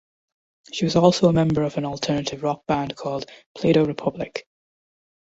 She was also a member of an alternative rock band called Playdoh Republic.